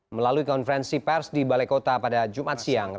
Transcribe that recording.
melalui konferensi pers di balai kota pada jumat siang